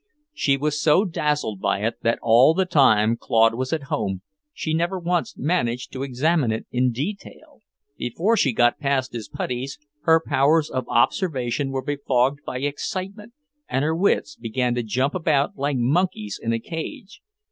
She was so dazzled by it that all the time Claude was at home she never once managed to examine it in detail. Before she got past his puttees, her powers of observation were befogged by excitement, and her wits began to jump about like monkeys in a cage.